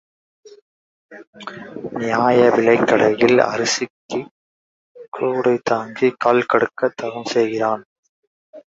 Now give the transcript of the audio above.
நியாய விலைக் கடையில் அரிசிக்குக் கூடை தாங்கிக் கால்கடுக்கத் தவம் செய்கிறான்.